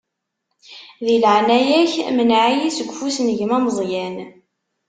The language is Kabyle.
Di leɛnaya-k, mneɛ-iyi seg ufus n gma Meẓyan.